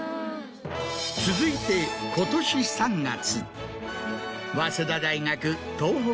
続いて今年３月。